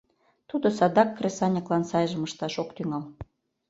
Тудо садак кресаньыклан сайжым ышташ ок тӱҥал.